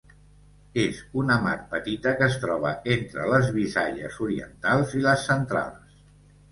És una mar petita que es troba entre les Visayas Orientals i les Centrals.